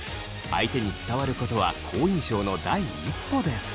相手に伝わることは好印象の第一歩です。